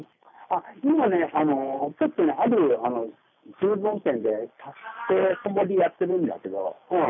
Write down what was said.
今ね、ちょっとね、ある牛丼店で立てこもりやってるんだけど。